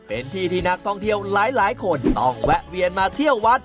เป็นที่ที่นักท่องเที่ยวหลายคนต้องแวะเวียนมาเที่ยววัด